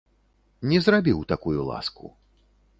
Не зрабіў такую ласку.